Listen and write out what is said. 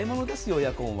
エアコンは。